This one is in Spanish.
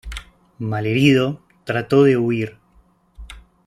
Malherido, trató de huir.